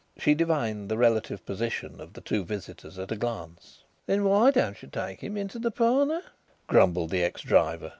She divined the relative positions of the two visitors at a glance. "Then why don't you take him into the parlour?" grumbled the ex driver.